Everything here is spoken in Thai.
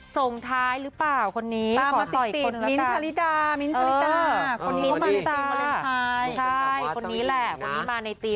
ส่งท้ายหรือเปล่าคนนี้ตามมาติด